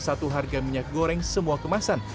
satu harga minyak goreng semua kemasan